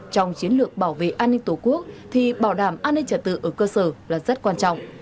trong chiến lược bảo vệ an ninh tổ quốc thì bảo đảm an ninh trả tự ở cơ sở là rất quan trọng